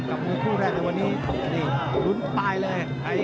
กับคู่แรกในวันนี้ลุ้นไปเลย